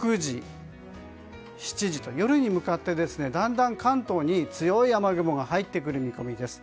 ６時、７時と夜に向かってだんだん関東に強い雨雲が入ってくる見込みです。